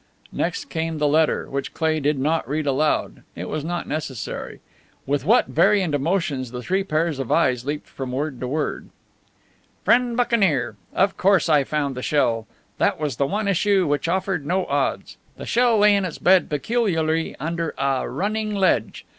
Next came the letter, which Cleigh did not read aloud it was not necessary. With what variant emotions the three pairs of eyes leaped from word to word! Friend Buccaneer: Of course I found the shell. That was the one issue which offered no odds. The shell lay in its bed peculiarly under a running ledge.